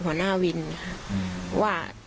ของหน้าวินว่า